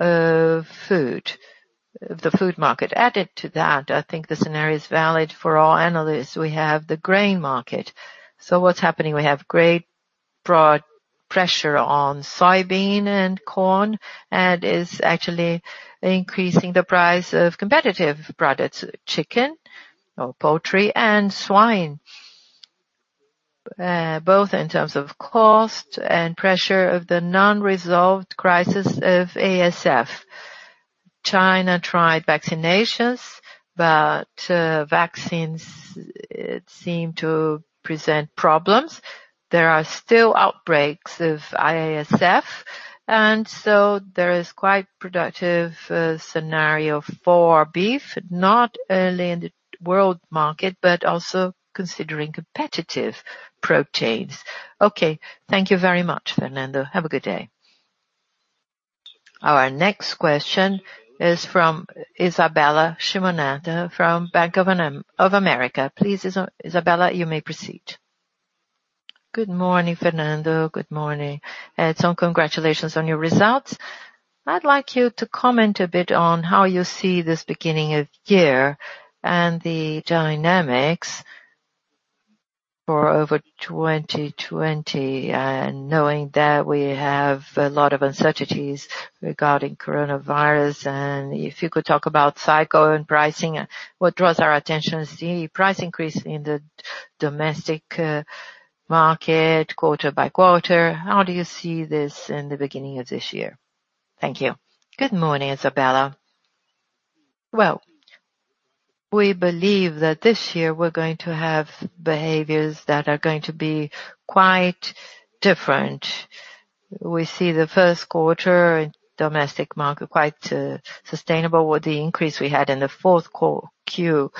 of the food market. Added to that, I think the scenario is valid for all analysts, we have the grain market. What's happening? We have great broad pressure on soybean and corn, and is actually increasing the price of competitive products, chicken or poultry and swine, both in terms of cost and pressure of the non-resolved crisis of ASF. China tried vaccinations, but vaccines seem to present problems. There are still outbreaks of ASF, so there is quite productive scenario for beef, not only in the world market, but also considering competitive proteins. Okay. Thank you very much, Fernando. Have a good day. Our next question is from Isabella Simonato from Bank of America. Please, Isabella, you may proceed. Good morning, Fernando. Good morning, Edison. Congratulations on your results. I'd like you to comment a bit on how you see this beginning of year and the dynamics for over 2020, and knowing that we have a lot of uncertainties regarding coronavirus, and if you could talk about cycle and pricing. What draws our attention is the price increase in the domestic market quarter by quarter. How do you see this in the beginning of this year? Thank you. Good morning, Isabella. Well, we believe that this year we're going to have behaviors that are going to be quite different. We see the first quarter in domestic market quite sustainable with the increase we had in the fourth Q.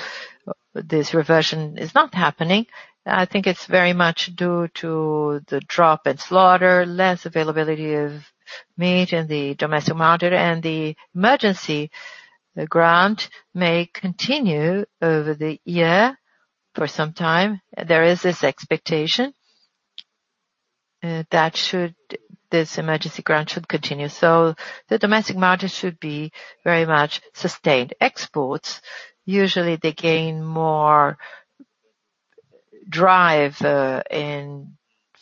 This reversion is not happening. I think it's very much due to the drop in slaughter, less availability of meat in the domestic market, and the emergency grant may continue over the year for some time. There is this expectation that this emergency grant should continue, so the domestic market should be very much sustained. Exports, usually they gain more drive in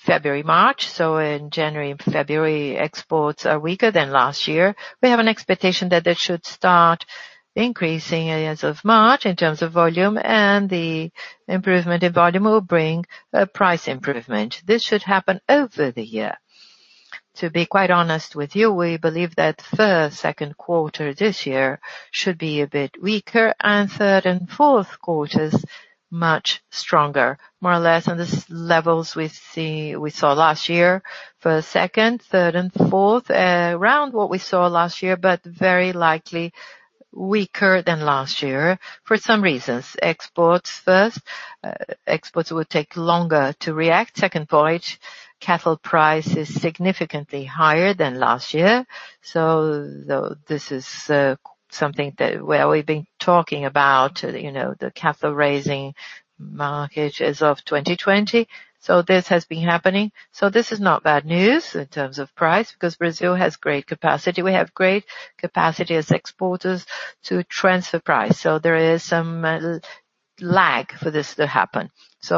February, March, so in January and February, exports are weaker than last year. We have an expectation that they should start increasing as of March in terms of volume, and the improvement in volume will bring a price improvement. This should happen over the year. To be quite honest with you, we believe that first, second quarter this year should be a bit weaker, and third and fourth quarters, much stronger. More or less on the levels we saw last year for second, third, and fourth, around what we saw last year, but very likely weaker than last year for some reasons. Exports first. Exports will take longer to react. Second point, cattle price is significantly higher than last year. This is something that we've been talking about, the cattle raising market as of 2020. This has been happening. This is not bad news in terms of price because Brazil has great capacity. We have great capacity as exporters to transfer price. There is some lag for this to happen.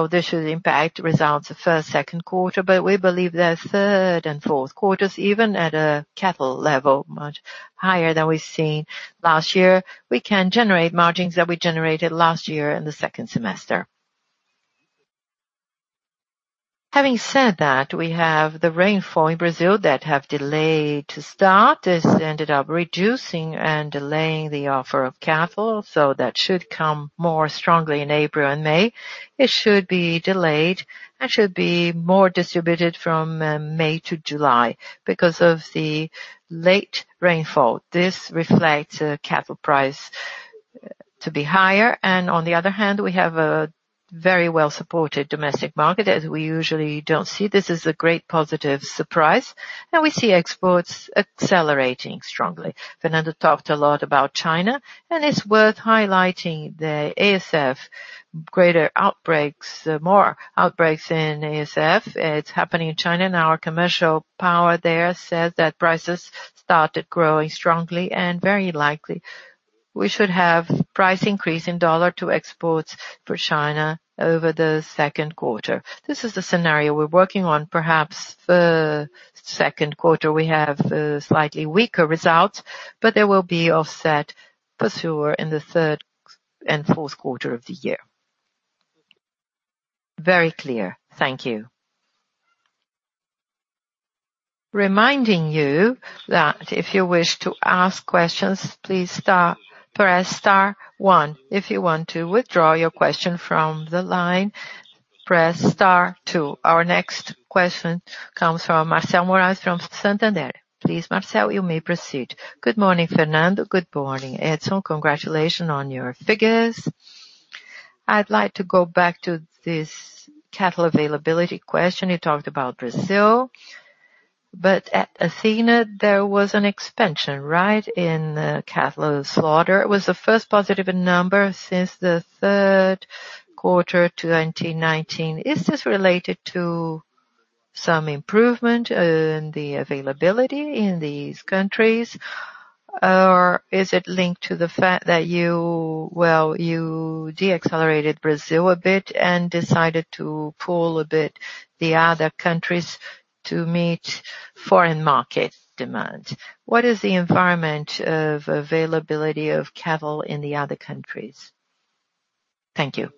This should impact results of first, second quarter, but we believe that third and fourth quarters, even at a cattle level much higher than we've seen last year, we can generate margins that we generated last year in the second semester. Having said that, we have the rainfall in Brazil that have delayed to start. This ended up reducing and delaying the offer of cattle, that should come more strongly in April and May. It should be delayed and should be more distributed from May to July because of the late rainfall. This reflects cattle price to be higher. On the other hand, we have a very well-supported domestic market as we usually don't see. This is a great positive surprise. We see exports accelerating strongly. Fernando talked a lot about China. It's worth highlighting the ASF. Greater outbreaks, more outbreaks in ASF. It's happening in China now. Our commercial power there says that prices started growing strongly. Very likely we should have price increase in dollar to exports for China over the second quarter. This is the scenario we're working on. Perhaps the second quarter we have a slightly weaker result, there will be offset for sure in the third and fourth quarter of the year. Very clear. Thank you. Reminding you that if you wish to ask questions, please press star one. If you want to withdraw your question from the line, press star two. Our next question comes from Marcel Moraes from Santander. Please, Marcel, you may proceed. Good morning, Fernando. Good morning, Edison. Congratulations on your figures. I'd like to go back to this cattle availability question. You talked about Brazil, but at Athena, there was an expansion, right, in the cattle slaughter. It was the first positive number since the third quarter of 2019. Is this related to some improvement in the availability in these countries, or is it linked to the fact that you de-accelerated Brazil a bit and decided to pull a bit the other countries to meet foreign market demands? What is the environment of availability of cattle in the other countries? Thank you.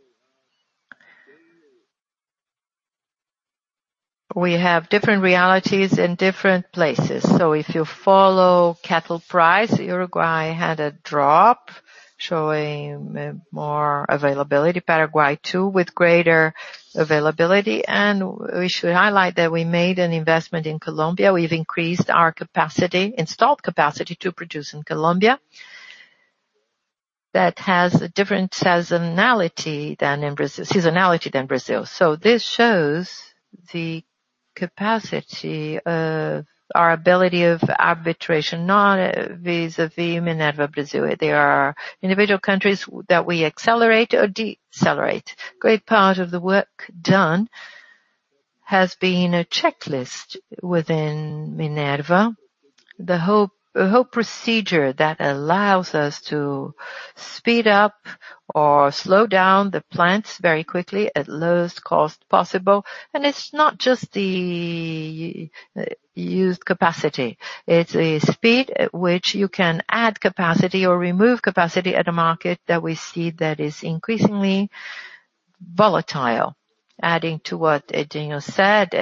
We have different realities in different places. If you follow cattle price, Uruguay had a drop, showing more availability. Paraguay too, with greater availability. We should highlight that we made an investment in Colombia. We've increased our capacity, installed capacity, to produce in Colombia that has a different seasonality than Brazil. This shows the capacity of our ability of arbitration, not vis-à-vis Minerva Brazil. There are individual countries that we accelerate or decelerate. Great part of the work done has been a checklist within Minerva. The whole procedure that allows us to speed up or slow down the plants very quickly at lowest cost possible. It's not just the used capacity. It's the speed at which you can add capacity or remove capacity at a market that we see that is increasingly volatile. Adding to what Edison said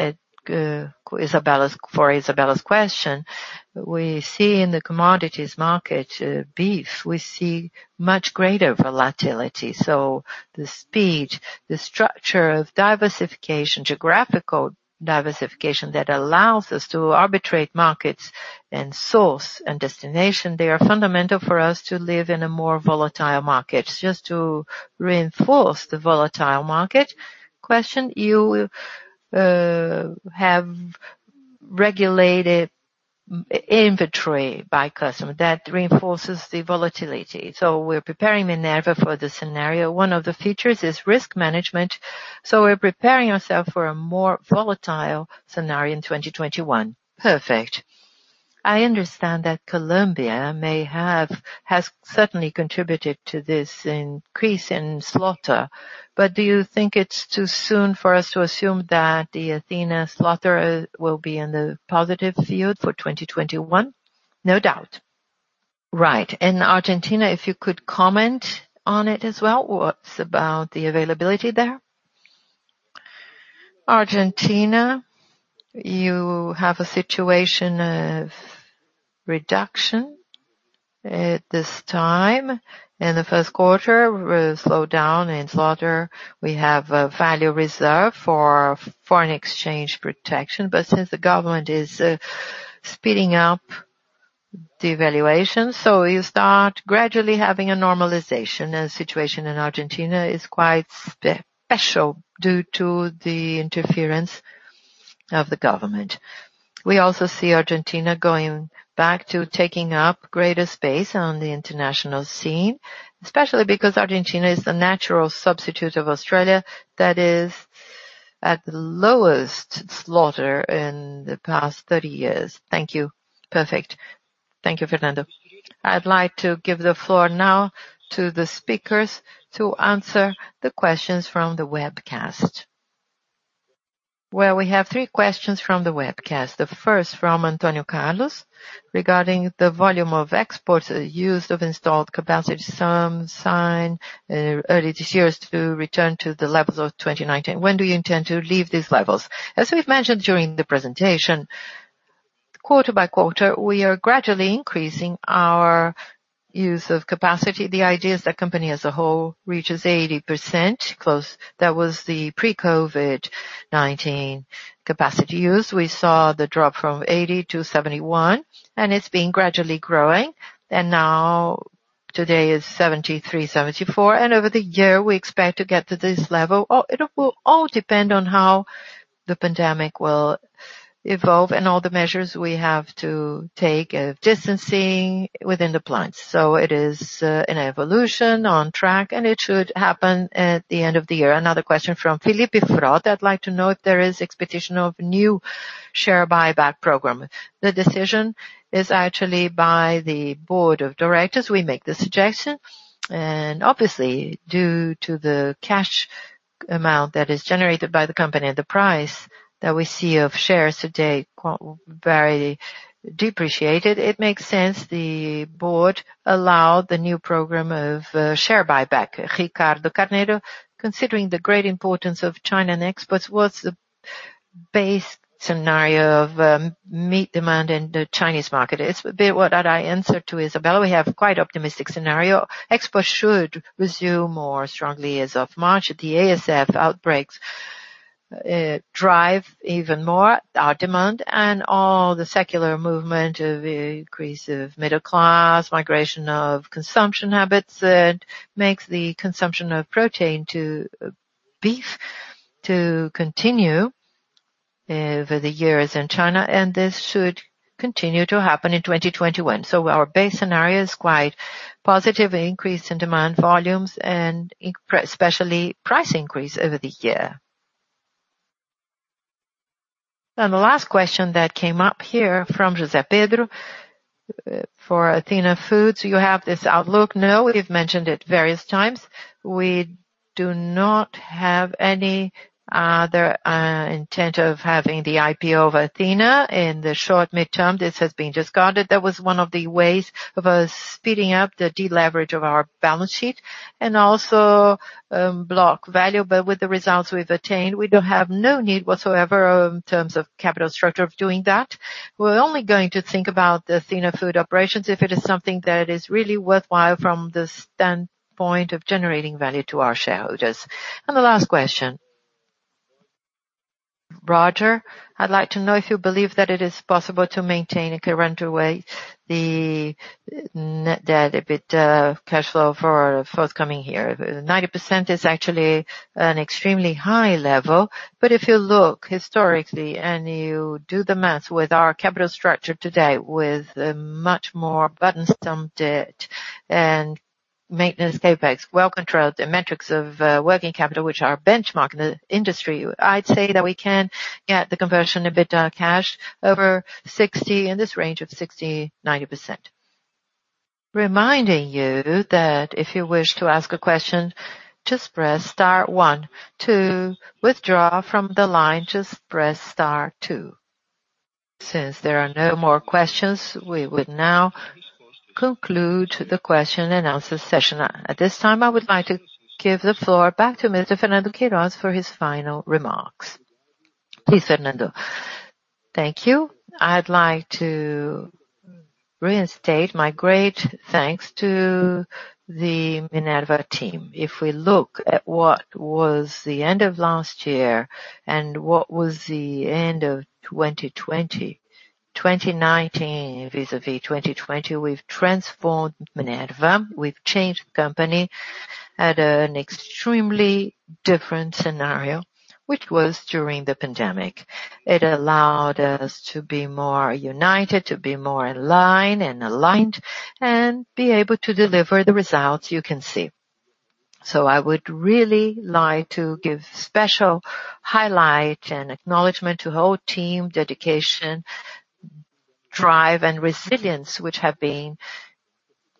for Isabella's question, we see in the commodities market, beef, we see much greater volatility. The speed, the structure of diversification, geographical diversification, that allows us to arbitrate markets and source and destination, they are fundamental for us to live in a more volatile market. Just to reinforce the volatile market question, you have regulated inventory by customer. That reinforces the volatility. We're preparing Minerva for the scenario. One of the features is risk management, we're preparing ourselves for a more volatile scenario in 2021. Perfect. I understand that Colombia has certainly contributed to this increase in slaughter. Do you think it's too soon for us to assume that the Athena slaughter will be in the positive field for 2021? No doubt. Right. Argentina, if you could comment on it as well. What about the availability there? Argentina, you have a situation of reduction at this time. In the first quarter, slow down in slaughter. We have a value reserve for foreign exchange protection. Since the government is speeding up the evaluation, you start gradually having a normalization, the situation in Argentina is quite special due to the interference of the government. We also see Argentina going back to taking up greater space on the international scene, especially because Argentina is the natural substitute of Australia, that is at the lowest slaughter in the past 30 years. Thank you. Perfect. Thank you, Fernando. I'd like to give the floor now to the speakers to answer the questions from the webcast. Well, we have three questions from the webcast. The first from Antonio Carlos regarding the volume of exports, use of installed capacity, some sign early this year to return to the levels of 2019. When do you intend to leave these levels? As we've mentioned during the presentation, quarter-by-quarter, we are gradually increasing our use of capacity. The idea is that company as a whole reaches 80%, close. That was the pre-COVID-19 capacity use. We saw the drop from 80%-71%, and it's been gradually growing. Today is 73%-74%. Over the year, we expect to get to this level. It will all depend on how the pandemic will evolve and all the measures we have to take of distancing within the plants. It is an evolution on track, and it should happen at the end of the year. Another question from Felipe Frota, "I'd like to know if there is expectation of new share buyback program. The decision is actually by board of directors. We make the suggestion. Obviously, due to the cash amount that is generated by the company and the price that we see of shares today, very depreciated, it makes sense the board allow the new program of share buyback. Ricardo Carneiro, "Considering the great importance of China and exports, what's the base scenario of meat demand in the Chinese market?" It's a bit what I answered to Isabella. We have quite optimistic scenario. Exports should resume more strongly as of March. The ASF outbreaks drive even more our demand and all the secular movement of increase of middle class, migration of consumption habits that makes the consumption of protein to beef to continue over the years in China, and this should continue to happen in 2021. Our base scenario is quite positive increase in demand volumes and especially price increase over the year. The last question that came up here from Jose Pedro. For Athena Foods, you have this outlook? No, we've mentioned it various times. We do not have any other intent of having the IPO of Athena in the short midterm. This has been discarded. That was one of the ways of us speeding up the deleverage of our balance sheet and also block value. With the results we've attained, we don't have no need whatsoever in terms of capital structure of doing that. We're only going to think about the Athena Foods operations if it is something that is really worthwhile from the standpoint of generating value to our shareholders. The last question. Roger, "I'd like to know if you believe that it is possible to maintain a current rate, the net debt, EBITDA, cash flow for forthcoming year." 90% is actually an extremely high level. If you look historically and you do the math with our capital structure today, with a much more buttoned-down debt and maintenance CapEx well-controlled, the metrics of working capital, which are benchmark in the industry, I'd say that we can get the conversion EBITDA cash over 60%, in this range of 60%-90%. Reminding you that if you wish to ask a question just press star one. To withdraw from the line just press star two. Since there are no questions we would now conclude the question and answer session. At this time, I would like to give the floor back to Mr. Fernando Queiroz for his final remarks. Please, Fernando. Thank you. I'd like to reinstate my great thanks to the Minerva team. If we look at what was the end of last year and what was the end of 2020-2019 vis-à-vis 2020, we've transformed Minerva. We've changed the company at an extremely different scenario, which was during the pandemic. It allowed us to be more united, to be more in line and aligned and be able to deliver the results you can see. I would really like to give special highlight and acknowledgment to whole team, dedication, drive, and resilience, which have been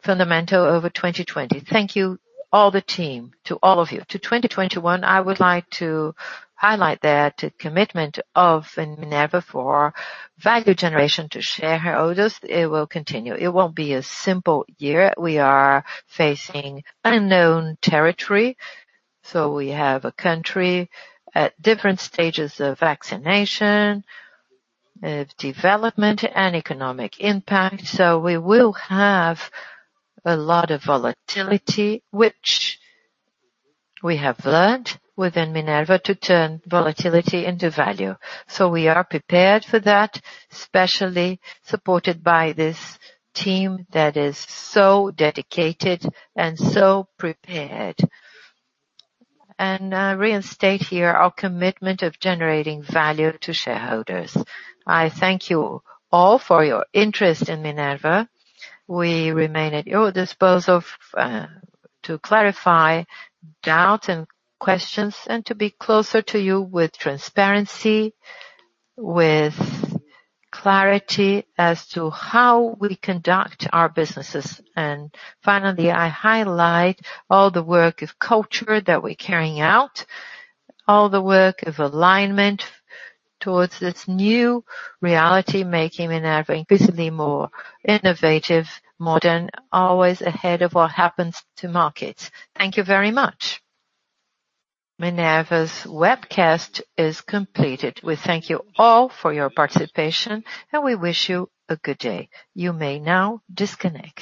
fundamental over 2020. Thank you all the team, to all of you. To 2021, I would like to highlight the commitment of Minerva for value generation to shareholders. It will continue. It won't be a simple year. We are facing unknown territory. We have a country at different stages of vaccination, of development, and economic impact. We will have a lot of volatility, which we have learned within Minerva to turn volatility into value. We are prepared for that, especially supported by this team that is so dedicated and so prepared. I reinstate here our commitment of generating value to shareholders. I thank you all for your interest in Minerva. We remain at your disposal to clarify doubts and questions and to be closer to you with transparency, with clarity as to how we conduct our businesses. Finally, I highlight all the work of culture that we're carrying out, all the work of alignment towards this new reality, making Minerva increasingly more innovative, modern, always ahead of what happens to markets. Thank you very much. Minerva's webcast is completed. We thank you all for your participation, and we wish you a good day. You may now disconnect.